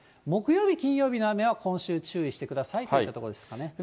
木曜日、金曜日の雨は、今週注意してくださいということですね。